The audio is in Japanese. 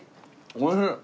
おいしい。